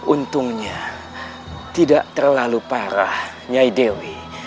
untungnya tidak terlalu parah nyai dewi